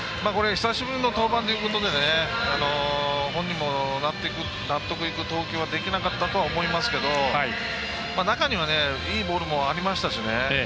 久しぶりの登板ということで本人も納得いく投球はできなかったとは思いますけど中にはいいボールもありましたし。